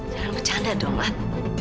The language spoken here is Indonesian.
jangan bercanda dong ah